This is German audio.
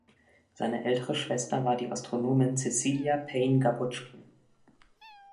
Seine ältere Schwester war die Astronomin Cecilia Payne-Gaposchkin.